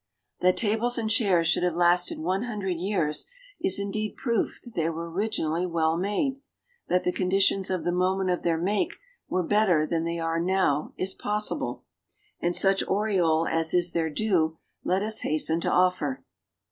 That tables and chairs should have lasted one hundred years is indeed proof that they were originally well made: that the conditions of the moment of their make were better than they are now is possible, and such aureole as is their due let us hasten to offer.